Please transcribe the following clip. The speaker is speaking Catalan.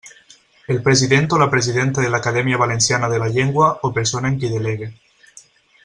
El president o la presidenta de l'Acadèmia Valenciana de la Llengua o persona en qui delegue.